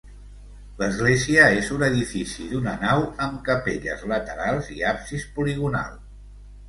L'església és un edifici d'una nau amb capelles laterals i absis poligonal.